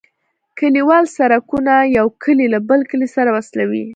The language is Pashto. کليوالي سرکونه یو کلی له بل کلي سره وصلوي